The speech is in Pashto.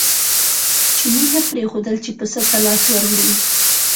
چیني نه پرېښودل چې پسه ته لاس ور وړي.